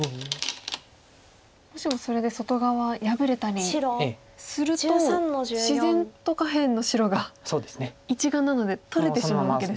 もしもそれで外側破れたりすると自然と下辺の白が１眼なので取れてしまうわけですね。